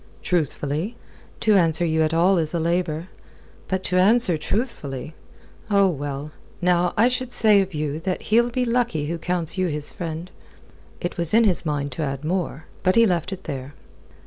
"Truthfully? To answer you at all is a labour. But to answer truthfully! Oh, well, now, I should say of you that he'll be lucky who counts you his friend." It was in his mind to add more. But he left it there.